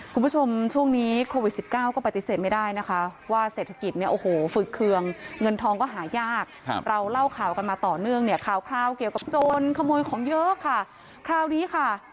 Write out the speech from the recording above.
คุณผู้ชมช่วงนี้โควิดสิบเก้าก็ปฏิเสธไม่ได้นะคะว่าเศรษฐกิจเนี่ยโอ้โหฝึกเคืองเงินทองก็หายากเราเล่าข่าวกันมาต่อเนื่องเนี่ยข่าวคราวเกี่ยวกับโจรขโมยของเยอะค่ะคราวนี้ค่ะ